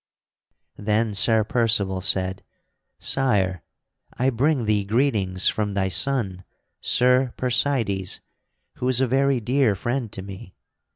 Then Sir Percival said: "Sire, I bring thee greetings from thy son, Sir Percydes, who is a very dear friend to me.